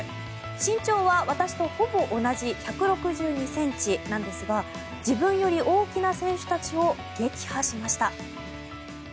身長は私とほぼ同じ１６２ｃｍなんですが自分より大きな選手たちを撃破しました。